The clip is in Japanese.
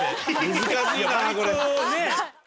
難しいなこれ。